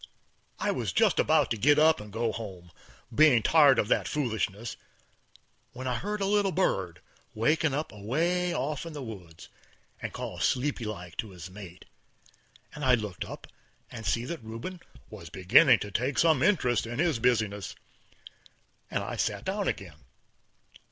I was just about to git up and go home, bein' tired of that foolishness, when I heard a little bird waking up away off in the woods and call sleepy like to his mate, and I looked up and see that Rubin was beginning to take some interest in his business, and I sit down again.